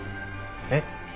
えっ？